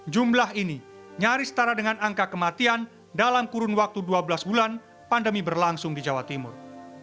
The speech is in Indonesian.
jumlah ini nyaris setara dengan angka kematian dalam kurun waktu dua belas bulan pandemi berlangsung di jawa timur